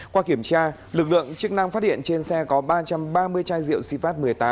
qua kiểm tra lực lượng chức năng phát hiện trên xe có ba trăm ba mươi chai rượu sivat một mươi tám